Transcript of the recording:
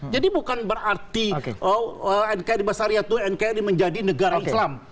jadi bukan berarti nkri bersyariah itu nkri menjadi negara islam